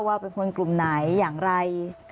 ว่าเป็นคนกลุ่มไหนอย่างไร